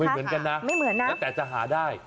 ไม่เหมือนกันนะแต่จะหาได้